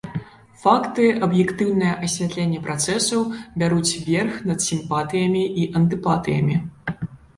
Факты, аб'ектыўнае асвятленне працэсаў бяруць верх над сімпатыямі і антыпатыямі.